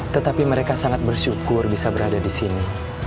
tetapi mereka sangat bersyukur bisa berada di sini